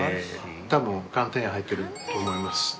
多分寒天入ってると思います。